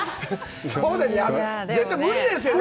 絶対無理ですよね。